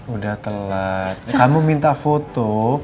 udah telat kamu minta foto